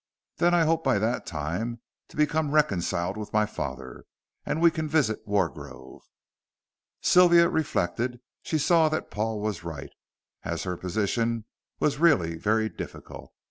Then I hope by that time to become reconciled to my father, and we can visit Wargrove." Sylvia reflected. She saw that Paul was right, as her position was really very difficult.